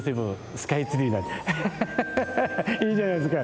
いいじゃないですか。